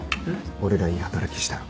俺らいい働きしたろ？